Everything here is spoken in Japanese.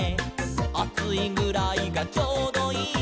「『あついぐらいがちょうどいい』」